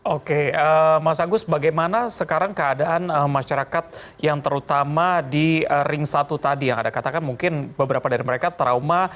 oke mas agus bagaimana sekarang keadaan masyarakat yang terutama di ring satu tadi yang anda katakan mungkin beberapa dari mereka trauma